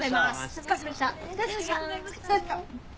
お疲れさまでした。